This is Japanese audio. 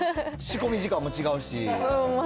仕込み時間も違うし。